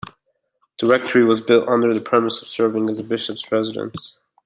The rectory was built under the premise of serving as a bishop's residence.